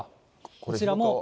こちらも。